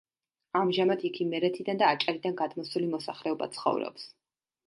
ამჟამად იქ იმერეთიდან და აჭარიდან გადმოსული მოსახლეობა ცხოვრობს.